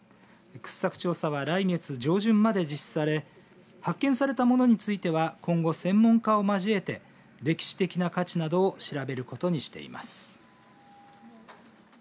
掘削調査は来月上旬まで実施され発見されたものについては今後専門家を交えて歴史的な価値などを調べることにしています。